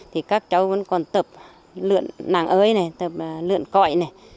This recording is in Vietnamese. thì các cháu vẫn còn tập lượn nàng ới này tập lượn cõi này